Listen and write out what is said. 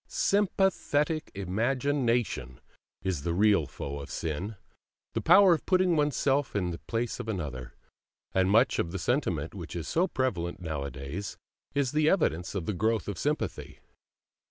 SYMPATHETIC IMAGINATION is the real foe of sin, the power of putting oneself in the place of another; and much of the sentiment which is so prevalent nowadays is the evidence of the growth of sympathy.